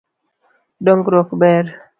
Dongruok ber.